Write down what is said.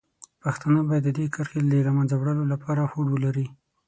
پښتانه باید د دې کرښې د له منځه وړلو لپاره هوډ ولري.